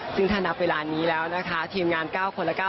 ซึ่งถ้านับเวลานี้แล้วนะคะทีมงาน๙คนละ๙